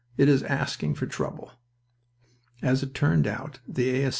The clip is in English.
It is asking for trouble." As it turned out, the A.